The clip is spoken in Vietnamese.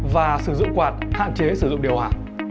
và sử dụng quạt hạn chế sử dụng điều hòa